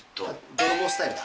泥棒スタイルだ。